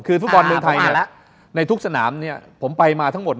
คือฟุตบอลเมืองไทยในทุกสนามผมไปมาทั้งหมด